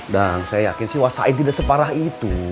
dang saya yakin sih wasain tidak separah itu